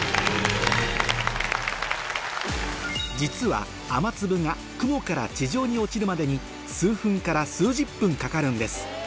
実は雨粒が雲から地上に落ちるまでに数分から数十分かかるんです